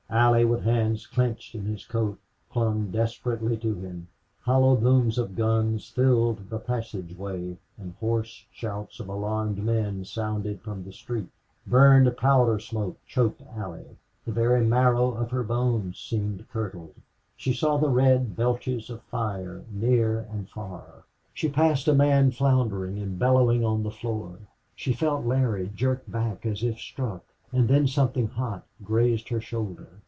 Allie, with hands clenched in his coat, clung desperately to him. Hollow booms of guns filled the passageway, and hoarse shouts of alarmed men sounded from the street. Burned powder smoke choked Allie. The very marrow of her bones seemed curdled. She saw the red belches of fire near and far; she passed a man floundering and bellowing on the floor; she felt Larry jerk back as if struck, and then something hot grazed her shoulder.